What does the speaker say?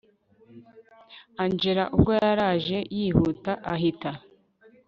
angella ubwo yaraje yihuta ahita